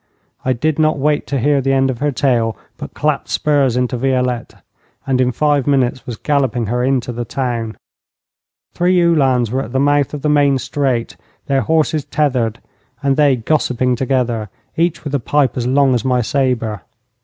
I did not wait to hear the end of her tale, but clapped spurs into Violette, and in five minutes was galloping her into the town. Three Uhlans were at the mouth of the main street, their horses tethered, and they gossiping together, each with a pipe as long as my sabre.